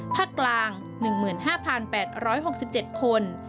ภาคกลาง๑๕๘๖๗คน